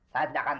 saya tidak akan